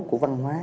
của văn hóa